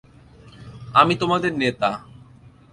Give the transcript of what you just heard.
আমি তোমাদের নেতা।